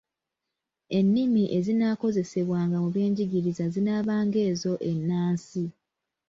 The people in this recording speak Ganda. Ennimi ezinaakozesebwanga mu byenjigiriza zinaabanga ezo ennansi.